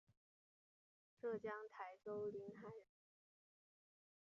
浙江台州临海人。